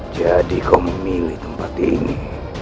jadi kau memilih tempat ini